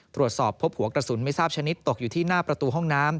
ตรวจสอบพบหัวกระสุนไม่ทราบชนิดตกอยู่ที่หน้าประตูห้องน้ำ